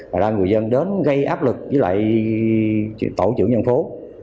rồi là người dân đến gây áp lực với lại tổ trưởng dân phố